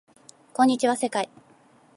こんにちは世界